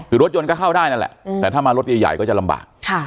คือรถยนต์ก็เข้าได้นั่นแหละแต่ถ้ามารถใหญ่ก็จะลำบาก